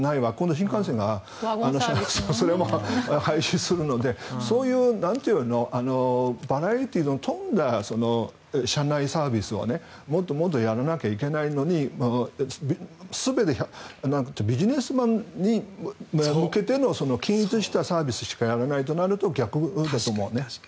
新幹線がワゴンサービスを廃止するのでそういうバラエティーに富んだ車内サービスをもっともっとやらなきゃいけないのに全てビジネスマンに向けての均一したサービスしかやらないとなると逆だと思うね。